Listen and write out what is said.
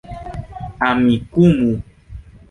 amikumu